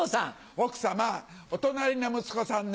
奥様お隣の息子さんね